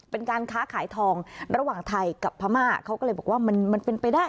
เป็นการค้าขายทองระหว่างไทยกับพม่าเขาก็เลยบอกว่ามันมันเป็นไปได้